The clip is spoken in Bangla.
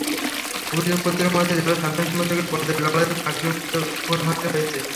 অভিযোগপত্র মতে, জেলা সাধারণ সম্পাদকের পদের লড়াইয়ে ফারুককে খুন হতে হয়েছে।